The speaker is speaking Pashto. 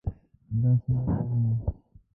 که داسې نه ګڼو.